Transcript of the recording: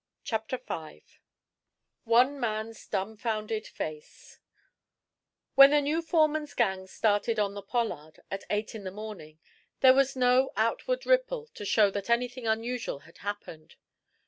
CHAPTER V ONE MAN'S DUMFOUNDED FACE When the new foreman's gang started on the "Pollard," at eight in the morning, there was no outward ripple to show that anything unusual had happened.